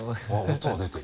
音は出てる。